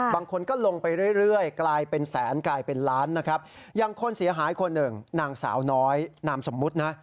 บางคนก็ลงไปเรื่อยกลายเป็นแสนกลายเป็นล้านนะครับ